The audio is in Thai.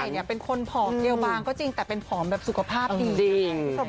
ใครบอกใหม่เป็นคนผอมเย็บบางก็จริงแต่เป็นผอมแบบสุขภาพดี